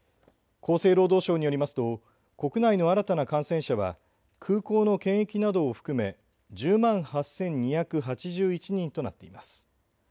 厚生労働省によりますと国内の新たな感染者は空港の検疫などを含め１０万８２８１人となっています。